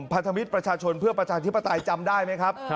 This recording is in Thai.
พันธมิตรประชาชนเพื่อประชาธิปไตยจำได้ไหมครับ